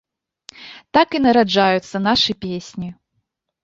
Так і нараджаюцца нашы песні.